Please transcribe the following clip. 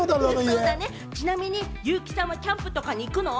ちなみに優木さんはキャンプとかに行くの？